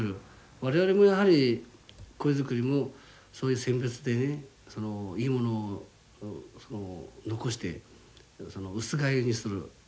我々もやはり鯉作りもそういう選別でねいいものを残して薄飼いにする。